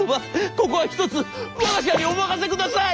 ここは一つわが社にお任せください！」。